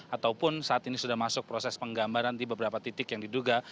ataupun saat ini sudah masuk proses penggambaran di beberapa titik yang diduga